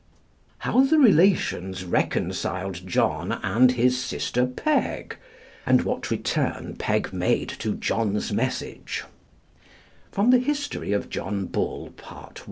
HOW THE RELATIONS RECONCILED JOHN AND HIS SISTER PEG, AND WHAT RETURN PEG MADE TO JOHN'S MESSAGE From the 'History of John Bull,' Part I.